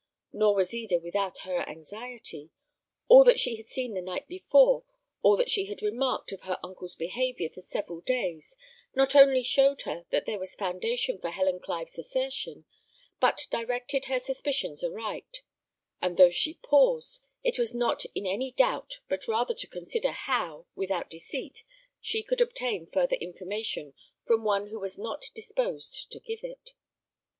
Nor was Eda without her anxiety; all that she had seen the night before, all that she had remarked of her uncle's behaviour for several days, not only showed her that there was foundation for Helen Clive's assertion, but directed her suspicions aright; and though she paused, it was not in any doubt, but rather to consider how, without deceit, she could obtain further information from one who was not disposed to give it.